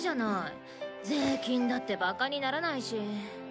税金だってバカにならないしいろいろとね。